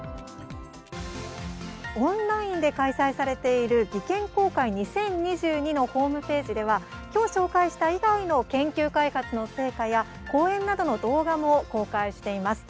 オンラインで開催されている技研公開２０２２のホームページではきょう紹介した以外の研究開発の成果や講演などの動画も公開しています。